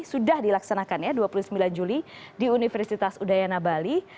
sudah dilaksanakan ya dua puluh sembilan juli di universitas udayana bali